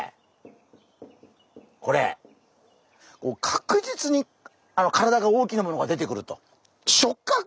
確実に体が大きなものが出てくると。